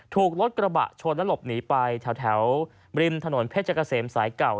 ถูกรถกระบะชนและหลบหนีไปแถวริมถนนเพชรเกษมสายเก่า